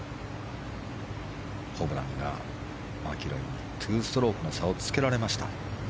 ホブランがマキロイに２ストロークの差をつけられました。